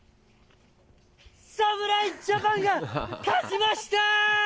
侍ジャパンが勝ちました！